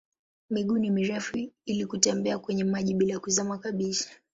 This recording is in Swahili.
Miguu ni mirefu ili kutembea kwenye maji bila kuzama kabisa.